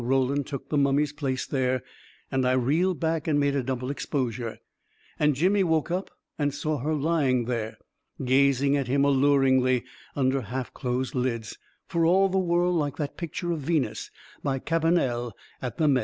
Roland took the mummy's place there, and I reeled back and made a double ex posure ; and Jimmy woke up and saw her lying there, gazing at him alluringly under half closed lids, for all the world like that picture of Venus by Cabanel at the Met.